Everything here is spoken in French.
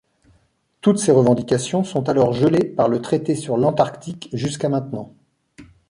Toutes ces revendications sont alors gelées par le traité sur l’Antarctique, jusqu'à maintenant.